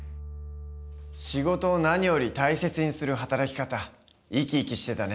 仕事を何より大切にする働き方生き生きしてたね。